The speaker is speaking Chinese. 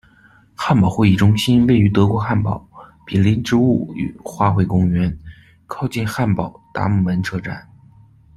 汉堡会议中心位于德国汉堡，毗邻植物与花卉公园，靠近汉堡达姆门车站。